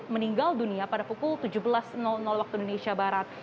meninggal dunia pada pukul tujuh belas waktu indonesia barat